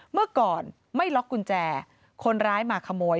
เมื่อก่อนไม่ล็อกกุญแจคนร้ายมาขโมย